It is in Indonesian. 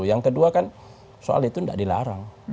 yang kedua kan soal itu tidak dilarang